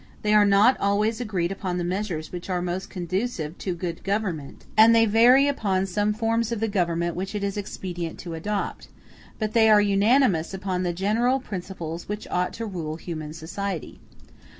They are not always agreed upon the measures which are most conducive to good government, and they vary upon some of the forms of government which it is expedient to adopt; but they are unanimous upon the general principles which ought to rule human society.